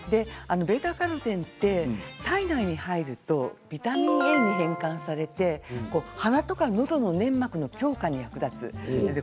β−カロテンというのは体内に入るとビタミンＡに変換されて鼻とかのどの粘膜の強化に役立ちます。